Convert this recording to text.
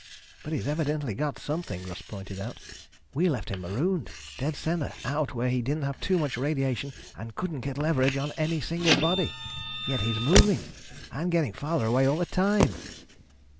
"But he's evidently got something," Russ pointed out. "We left him marooned ... dead center, out where he didn't have too much radiation and couldn't get leverage on any single body. Yet he's moving and getting farther away all the time."